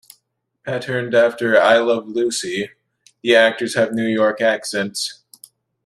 Patterned after "I Love Lucy", the actors have New York accents.